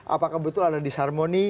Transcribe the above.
apakah betul ada disharmoni